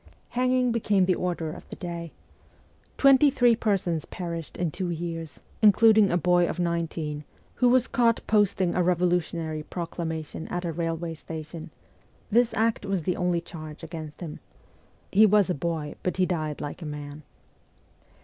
Hanging became the order of the day. Twenty three persons perished in two years, including a boy of nineteen, who was caught posting a revolu tionary proclamation at a railway station : this act was the only charge against him. He was a boy, but he died like a man.